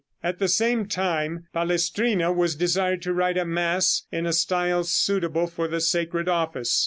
At the same time Palestrina was desired to write a mass in a style suitable for the sacred office.